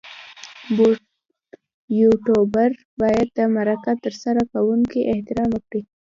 یوټوبر باید د مرکه ترسره کوونکي احترام وکړي.